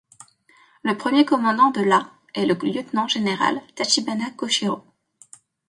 Le premier commandant de la est le lieutenant-général Tachibana Koichirō.